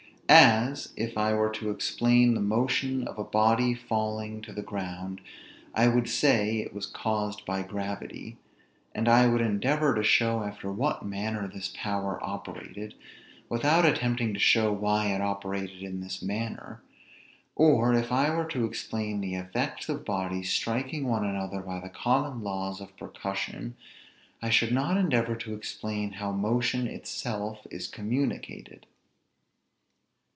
As, if I were to explain the motion of a body falling to the ground, I would say it was caused by gravity; and I would endeavor to show after what manner this power operated, without attempting to show why it operated in this manner: or, if I were to explain the effects of bodies striking one another by the common laws of percussion, I should not endeavor to explain how motion itself is communicated.